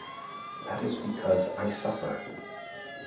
"That is because I suffer.